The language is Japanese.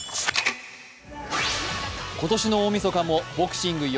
今年の大みそかもボクシング４